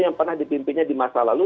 yang pernah dipimpinnya di masa lalu